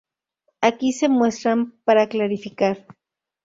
Aquí se muestran para clarificar.